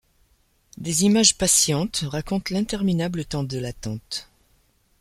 Des images patientes racontent l’interminable temps de l’attente.